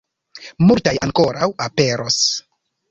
Multaj ankoraŭ aperos.